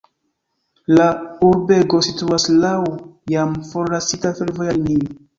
La urbego situas laŭ jam forlasita fervoja linio.